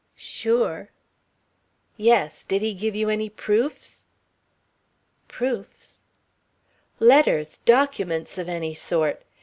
"Sure?" "Yes. Did he give you any proofs?" "Proofs?" "Letters documents of any sort?